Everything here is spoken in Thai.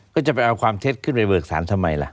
กดจะไปเอาความเทศขึ้นไปเบือกศาลทำไมหล่ะ